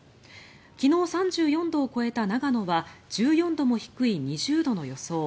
昨日、３４度を超えた長野は１４度も低い２０度の予想